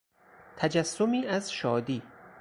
تجسمی از شادی